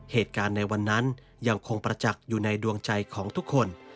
เหตุการณ์ในวันนั้นยังคงประจักษ์อยู่ในดวงใจของทุกคน